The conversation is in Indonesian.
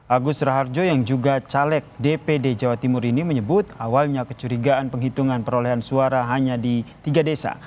agus raharjo yang juga caleg dpd jawa timur ini menyebut awalnya kecurigaan penghitungan perolehan suara hanya di tiga desa